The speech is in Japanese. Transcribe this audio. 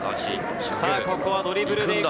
ここはドリブルでいく。